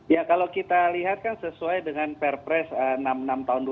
ya kalau kita lihat kan sesuai dengan perpres enam puluh enam tahun dua ribu dua